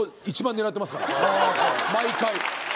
毎回。